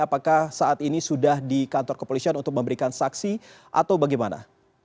apakah saat ini sudah di kantor kepolisian untuk memberikan saksi atau bagaimana